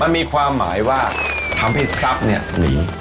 มันมีความหมายว่าทำให้ทรัพย์เนี่ยหนี